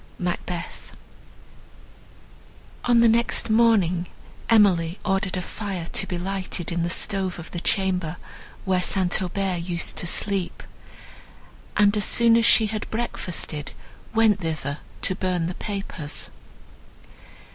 MACBETH On the next morning, Emily ordered a fire to be lighted in the stove of the chamber, where St. Aubert used to sleep; and, as soon as she had breakfasted, went thither to burn the papers.